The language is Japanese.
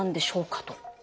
と。